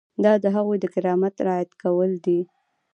دا د هغوی د کرامت رعایت کول دي.